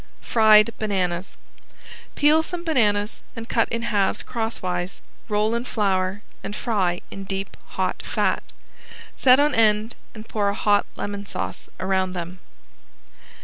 ~FRIED BANANAS~ Peel some bananas and cut in halves crosswise, roll in flour and fry in deep hot fat. Set on end and pour a hot lemon sauce around them.